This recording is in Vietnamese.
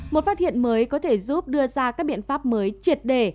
một phát hiện mới có thể giúp đưa ra các biện pháp mới triệt đề